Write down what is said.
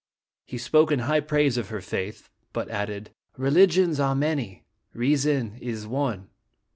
He spoke in high praise of her faith, but added :" Religions are many. Reason is one.